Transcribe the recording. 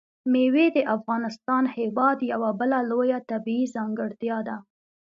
مېوې د افغانستان هېواد یوه بله لویه طبیعي ځانګړتیا ده.